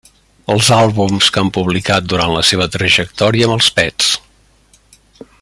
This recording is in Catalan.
Els àlbums que han publicat durant la seva trajectòria amb Els Pets.